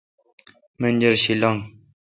منجرشی لنگ۔